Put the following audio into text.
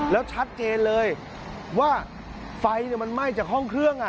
แล้วชัดเจนเลยว่าไฟมันไหม้จากห้องเครื่อง